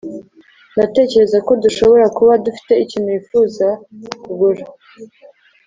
ndatekereza ko dushobora kuba dufite ikintu wifuza kugura